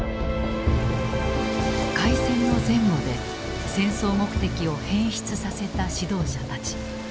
開戦の前後で戦争目的を変質させた指導者たち。